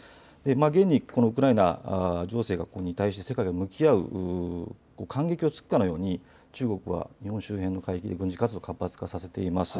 現にウクライナ情勢に向き合う間隙を突くかのように中国は日本周辺で軍事活動を活発化させています。